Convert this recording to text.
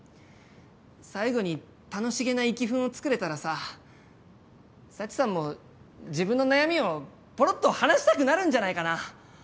最後に楽しげなイキフンを作れたらさ佐知さんも自分の悩みをポロッと話したくなるんじゃないかな？